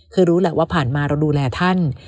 คือรู้แหละว่าผ่านมาเราดูแลท่าน